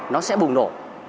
nó sẽ bùng nổ